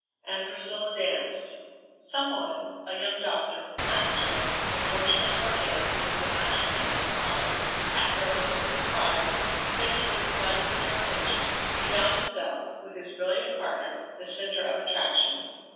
And Priscilla danced. Some one, a young doctor, asked her, and fortunately for him he was a master hand at following. After a moment of surprise, tinged with excited determination, he found himself, with his brilliant partner, the centre of attraction.